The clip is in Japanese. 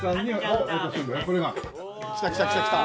来た来た来た来た。